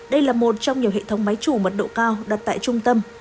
đây là một trong nhiều hệ thống máy chủ mật độ cao đặt tại trung tâm